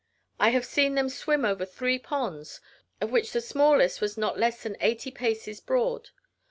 I have seen them swim over three ponds, of which the smallest was not less than eighty paces broad.